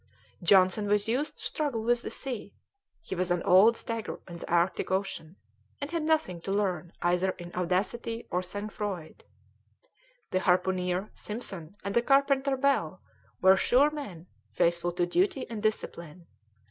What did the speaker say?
Johnson was used to struggle with the sea; he was an old stager in the Arctic Ocean, and had nothing to learn either in audacity or sang froid. The harpooner, Simpson, and the carpenter, Bell, were sure men, faithful to duty and discipline.